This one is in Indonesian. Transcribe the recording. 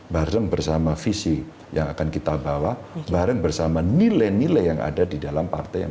bareng bersama visi yang akan kita bawa bareng bersama nilai nilai yang ada di dalam partai yang